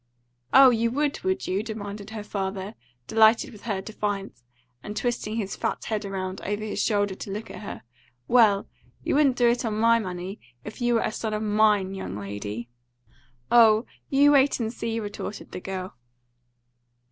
"Oh, you would, would you?" demanded her father, delighted with her defiance, and twisting his fat head around over his shoulder to look at her. "Well, you wouldn't do it on my money, if you were a son of MINE, young lady." "Oh, you wait and see," retorted the girl.